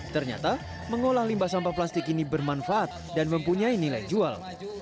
ternyata mengolah limbah sampah plastik ini bermanfaat dan mempunyai nilai jual